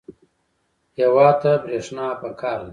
هېواد ته برېښنا پکار ده